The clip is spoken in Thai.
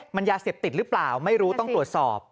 มันยาเสพติดหรือเปล่าไม่รู้ต้องตรวจสอบ